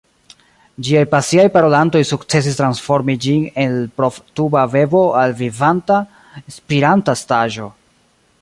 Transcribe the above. Ĝiaj pasiaj parolantoj sukcesis transformi ĝin el provtuba bebo al vivanta, spiranta estaĵo.